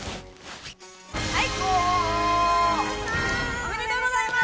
おめでとうございます！